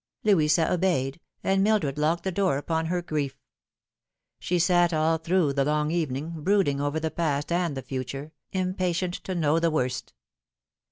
Louisa obeyed, and Mildred locked the door upon her grief. She sat all through the long evening brooding over the past and the future, impatient to know the worst.